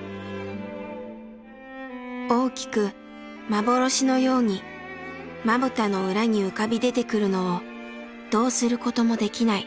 「大きく幻のようにまぶたの裏に浮かび出てくるのをどうすることもできない」。